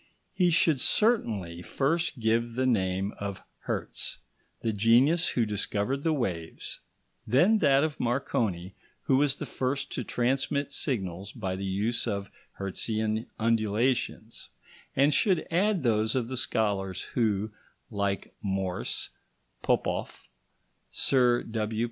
he should certainly first give the name of Hertz, the genius who discovered the waves, then that of Marconi, who was the first to transmit signals by the use of Hertzian undulations, and should add those of the scholars who, like Morse, Popoff, Sir W.